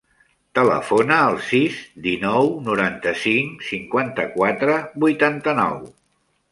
Telefona al sis, dinou, noranta-cinc, cinquanta-quatre, vuitanta-nou.